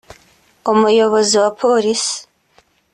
umuyobozi wa Polisi